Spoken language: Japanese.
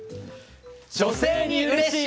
女性にうれしい！